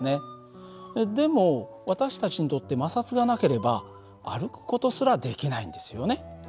でも私たちにとって摩擦がなければ歩く事すらできないんですよね。